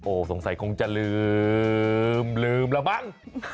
สงสัยคงจะลืมลืมแล้วมั้ง